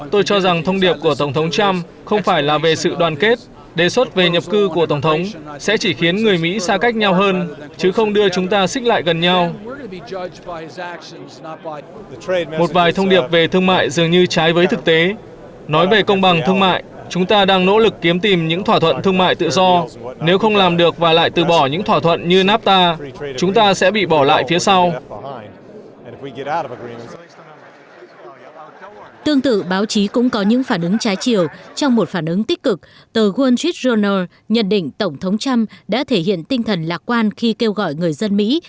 trong một phản ứng tích cực tờ wall street journal nhận định tổng thống trump đã thể hiện tinh thần lạc quan khi kêu gọi người dân mỹ